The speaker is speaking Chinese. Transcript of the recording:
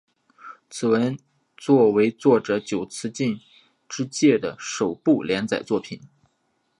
此作为作者久慈进之介的首部连载作品。